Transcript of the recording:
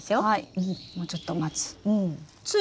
もうちょっと待つ。